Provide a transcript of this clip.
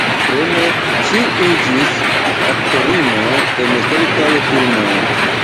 Krome ŝi iĝis aktorino en kelkaj filmoj.